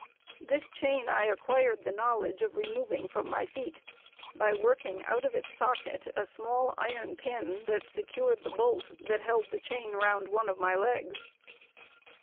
This chain I acquired the knowledge of removing from my feet, by working out of its socket a small iron pin that secured the bolt that held the chain round one of my legs.